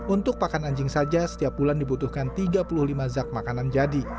untuk pakan anjing saja setiap bulan dibutuhkan tiga puluh lima zak makanan jadi